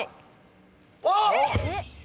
あっ！